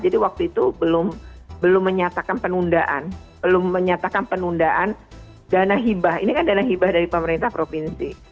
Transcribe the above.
jadi waktu itu belum belum menyatakan penundaan belum menyatakan penundaan dana hibah ini kan dana hibah dari pemerintah provinsi